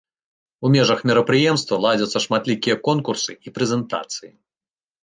У межах мерапрыемства ладзяцца шматлікія конкурсы і прэзентацыі.